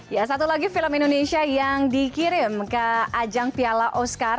ya satu lagi film indonesia yang dikirim ke ajang piala oscar